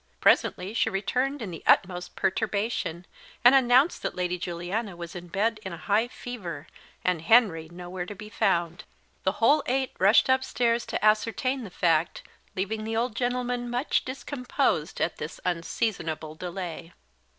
Presently she returned in the utmost perturbation, and announced that Lady Juliana was in bed in a high fever, and Henry nowhere to be found. The whole eight rushed upstairs to ascertain the fact, leaving the old gentleman much discomposed at this unseasonable delay.